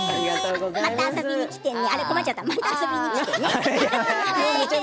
また遊びに来てね。